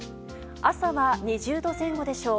朝は２０度前後でしょう。